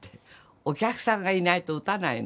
お客さんがいないと打たないの。